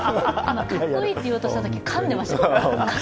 かっこいいと言おうとしたときかんでましたよ。